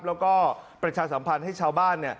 แล้วก็ประชาสัมพันธ์ให้ชาวบ้าน